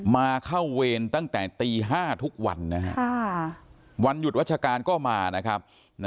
มาเข้าเวรตั้งแต่ตี๕ทุกวันนะฮะวันหยุดวัชการก็มานะครับ